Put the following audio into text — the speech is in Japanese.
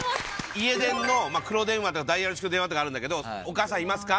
家電の黒電話とかダイヤル式の電話とかあるんだけど「お母さんいますか？」